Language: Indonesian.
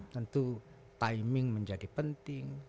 tentu timing menjadi penting